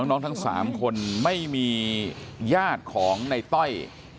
ทั้ง๓คนไม่มีญาติของในต้อย